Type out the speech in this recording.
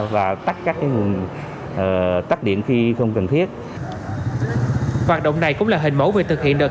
và tắt các nguồn tắt điện khi không cần thiết hoạt động này cũng là hình mẫu về thực hiện đợt